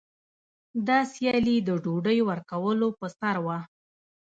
دا سیالي د ډوډۍ ورکولو په سر وه.